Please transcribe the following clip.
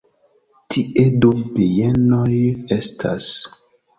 Tie du bienoj estas.